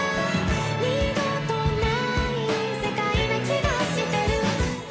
「二度とない世界な気がしてる」